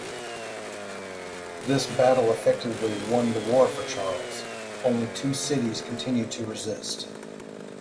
This battle effectively won the war for Charles; only two cities continued to resist.